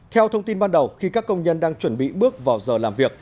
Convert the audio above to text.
theo thông tin ban đầu khi các công nhân đang chuẩn bị bước vào giờ làm việc